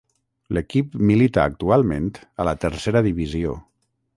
L'equip milita actualment a la Tercera Divisió.